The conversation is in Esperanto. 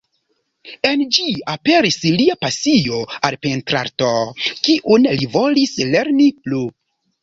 En ĝi aperis lia pasio al pentrarto, kiun li volis lerni plu.